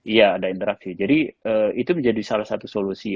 iya ada interaksi jadi itu menjadi salah satu solusi